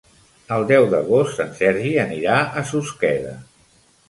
El deu d'agost en Sergi anirà a Susqueda.